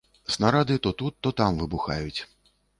Снарады то тут, то там выбухаюць.